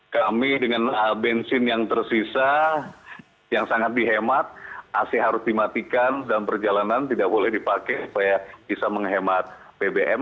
kami dengan bensin yang tersisa yang sangat dihemat ac harus dimatikan dan perjalanan tidak boleh dipakai supaya bisa menghemat bbm